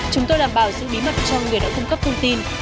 chúng tôi đảm bảo sự bí mật cho người đã cung cấp thông tin